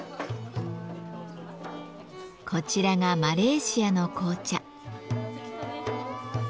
こちらがマレーシアの紅茶。